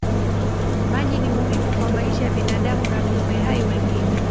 Maji ni muhimu kwa maisha ya binadamu na viumbe hai wengine.